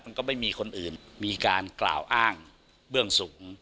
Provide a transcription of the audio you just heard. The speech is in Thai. มันก็ไม่มีคนอื่นมีการกล่าวอ้างเบื้องสูง